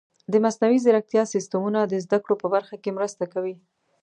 د مصنوعي ځیرکتیا سیستمونه د زده کړو په برخه کې مرسته کوي.